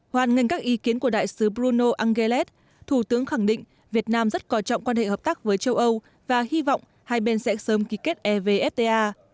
hoàn nghênh các ý kiến của đại sứ bruno angeles thủ tướng khẳng định việt nam rất coi trọng quan hệ hợp tác với châu âu và hy vọng hai bên sẽ sớm ký kết evfta